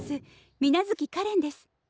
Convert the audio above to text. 水無月かれんです。